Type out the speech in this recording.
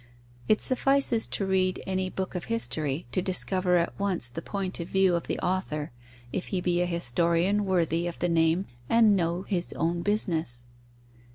It suffices to read any book of history to discover at once the point of view of the author, if he be a historian worthy of the name and know his own business.